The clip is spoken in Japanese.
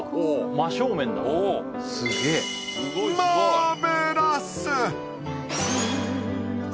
マーベラス！